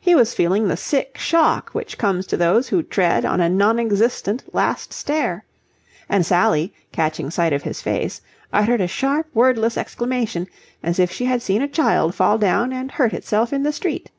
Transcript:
He was feeling the sick shock which comes to those who tread on a non existent last stair. And Sally, catching sight of his face, uttered a sharp wordless exclamation as if she had seen a child fall down and hurt itself in the street.